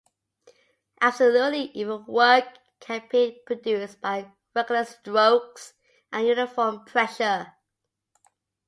Absolutely even work can be produced by regular strokes and uniform pressure.